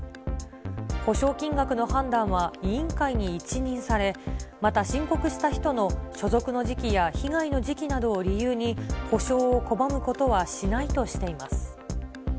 補償金額の判断は委員会に一任され、また、申告した人の所属の時期や被害の時期などを理由に、補償を拒むことはしないとしています。